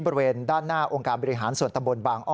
บริเวณด้านหน้าองค์การบริหารส่วนตำบลบางอ้อ